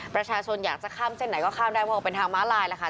ประชาชนอยากจะข้ามเส้นไหนก็ข้ามได้เพราะออกเป็นทางม้าลายแล้วค่ะ